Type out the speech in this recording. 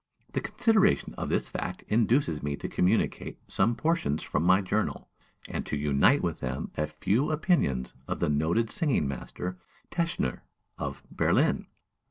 The consideration of this fact induces me to communicate some portions from my journal, and to unite with them a few opinions of the noted singing master, Teschner, of Berlin.